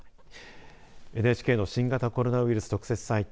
ＮＨＫの新型コロナウイルス特設サイト